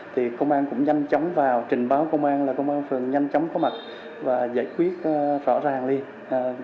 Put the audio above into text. thì công an cũng nhanh chóng vào trình báo công an là công an phường nhanh chóng có mặt và giải quyết rõ ràng